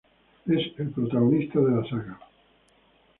Es el protagonista de la saga.